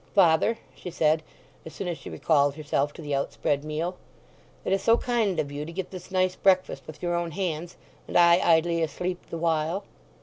"Father," she said, as soon as she recalled herself to the outspread meal, "it is so kind of you to get this nice breakfast with your own hands, and I idly asleep the while."